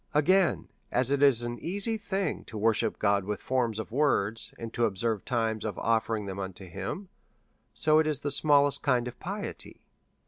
Again, as it is an easy thing to worship God with forms of words, and to observe times of offering them unto him, so it is the smallest kind of piety.